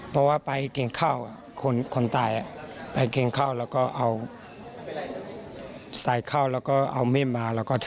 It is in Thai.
เพราะว่าไปกินข้าวกินข้าวแล้วก็ใส่ข้าวเอามิ่มมาแล้วก็ทึก